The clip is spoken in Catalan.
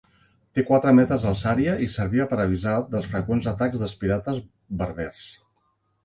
Té quatre metres d'alçària i servia per avisar dels freqüents atacs dels pirates berbers.